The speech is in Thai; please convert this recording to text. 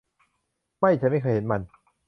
ไม่ ฉันไม่เคยเห็นมัน